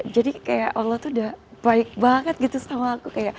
jadi kayak allah tuh udah baik banget gitu sama aku